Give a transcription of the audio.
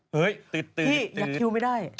พี่อย่างคิวไม่ได้